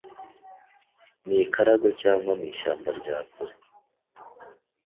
n’i Karagwe cyangwa mu ishyamba ryakure